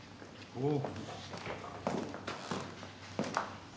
おお。